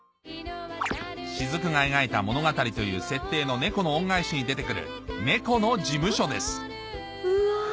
雫が描いた物語という設定の『猫の恩返し』に出て来る猫の事務所ですうわ